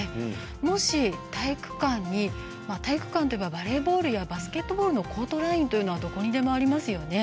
もし、体育館にバレーボールやバスケットボールのコートラインというのはどこにでもありますよね。